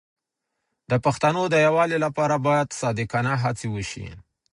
د پښتنو د یووالي لپاره باید صادقانه هڅې وشي.